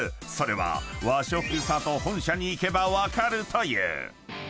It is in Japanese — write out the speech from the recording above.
それは和食さと本社に行けば分かるという］